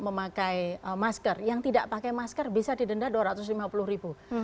memakai masker yang tidak pakai masker bisa didenda dua ratus lima puluh ribu